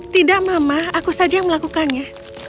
tidak mama aku saja yang melakukannya